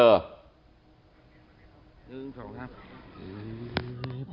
๑๒ครับ